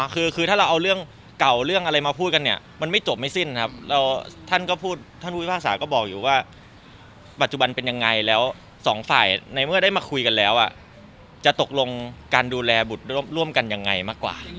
คือถ้าเราเอาเรื่องเก่าเรื่องอะไรมาพูดกันเนี่ยมันไม่จบไม่สิ้นครับท่านก็พูดท่านผู้พิพากษาก็บอกอยู่ว่าปัจจุบันเป็นยังไงแล้วสองฝ่ายในเมื่อได้มาคุยกันแล้วจะตกลงการดูแลบุตรร่วมกันยังไงมากกว่า